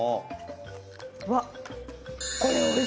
うわっ！